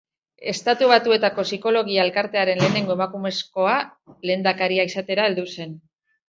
Estatu Batuetako Psikologia Elkartearen lehenengo emakumezko lehendakaria izatera heldu zen.